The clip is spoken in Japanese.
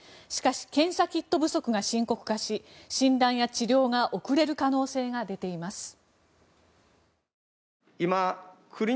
しかし検査キット不足が深刻化し診断や治療が遅れる可能性が出ています。